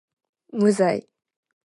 無罪